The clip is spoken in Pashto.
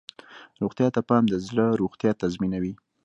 روغتیا ته پام د زړه روغتیا تضمینوي.